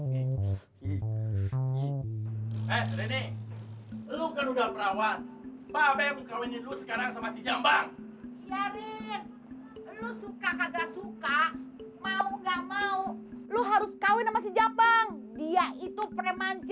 dia itu premancileduk tajir